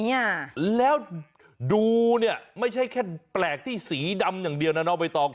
ว่าดูนี่ไม่ใช่แค่แปลกที่สีดำอย่างเดียวนะณ